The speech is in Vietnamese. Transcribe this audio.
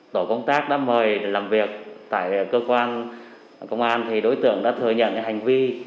tổ công tác đã mời làm việc tại cơ quan công an đối tượng đã thừa nhận hành vi